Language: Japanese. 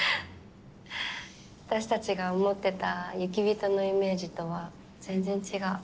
私たちが思ってた雪人のイメージとは全然違う。